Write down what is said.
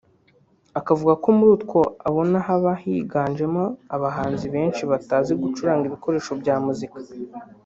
Akavuga ko muri two abona haba higanjemo abahanzi benshi batazi gucuranga ibikoresho bya muzika